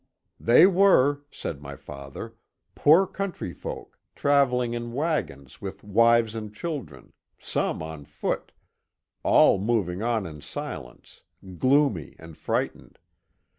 " They were," said my father, " poor countryfolk, travelling in wagons with wives and children, — some on foot, — all moving on in silence, gloomy and frightened.